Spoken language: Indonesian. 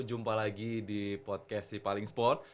jumpa lagi di podcast sipaling sport